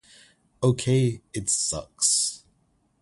okay it sucks...